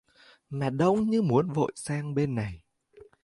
Mà Đông như muốn vội sang bên này